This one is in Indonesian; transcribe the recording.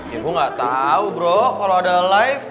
ya gue gak tau bro kalo ada live